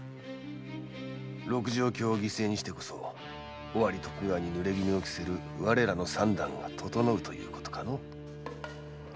六条卿を犠牲にしてこそ尾張徳川に濡れ衣を着せる我らの算段が整うということかの？